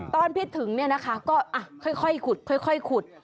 ตอนพิถึงเนี่ยนะคะก็อ่ะค่อยขุดขุด